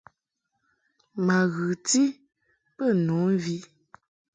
Ma ghɨti bə nu mvi.